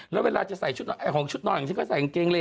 แล้วเวลาจะใส่ชุดของชุดนอนอย่างฉันก็ใส่กางเกงเล